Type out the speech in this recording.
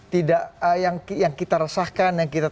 tidak yang kita resahkan yang kita